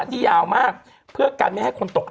ที่ยาวมากเพื่อกันไม่ให้คนตก